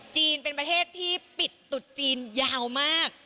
จีนเป็นประเทศที่ปิดตุ๊จีนยาวมาก